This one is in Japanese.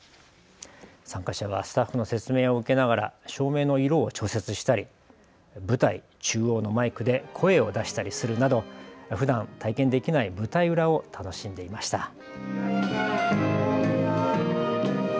参加者はスタッフの説明を受けながら、照明の色を調節したり舞台中央のマイクで声を出したりするなどふだん、体験できない舞台裏を楽しんでいました。